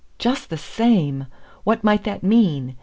Just the same! What might that mean?